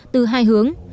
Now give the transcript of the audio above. từ hai hướng